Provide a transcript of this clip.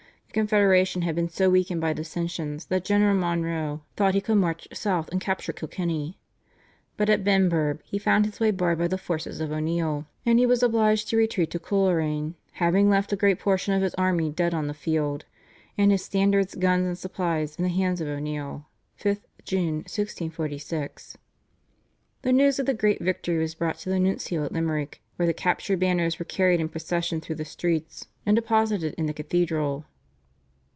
The Confederation had been so weakened by dissensions that General Monro thought he could march south and capture Kilkenny, but at Benburb he found his way barred by the forces of O'Neill, and he was obliged to retreat to Coleraine, having left a great portion of his army dead on the field, and his standards, guns, and supplies in the hands of O'Neill (5 June 1646). The news of the great victory was brought to the nuncio at Limerick, where the captured banners were carried in procession through the streets and deposited in the cathedral.